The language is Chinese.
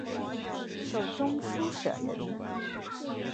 授中书舍人。